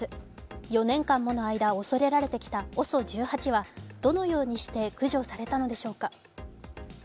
４年間もの間、恐れられてきたＯＳＯ１８はどのようにして駆除されたのでしょうか。